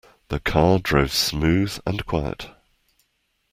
The car drove smooth and quiet.